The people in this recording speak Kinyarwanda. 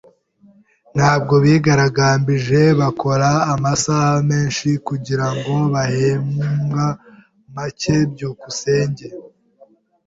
Ntabwo bigaragambije bakora amasaha menshi kugirango bahembwa make. byukusenge